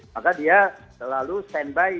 maka dia selalu stand by